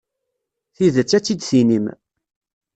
Tidet, ad tt-id-tinim.